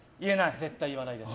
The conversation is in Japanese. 絶対言わないです。